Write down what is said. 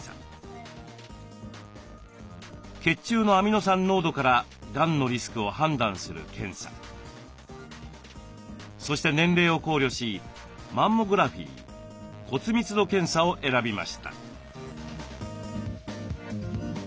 血液中のアミノ酸濃度からがんのリスクを判断する検査そして年齢を考慮しマンモグラフィー骨密度検査を選びました。